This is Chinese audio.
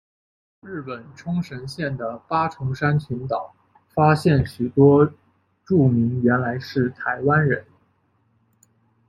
日本冲绳县的八重山群岛发现许多住民原来是台湾人。